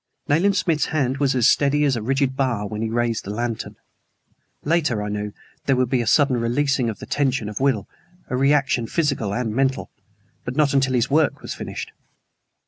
Nayland Smith's hand was as steady as a rigid bar when he raised the lantern. Later, I knew, there would be a sudden releasing of the tension of will a reaction physical and mental but not until his work was finished.